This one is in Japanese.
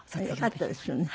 よかったですよね。